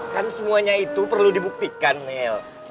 kan semuanya itu perlu dibuktikan mil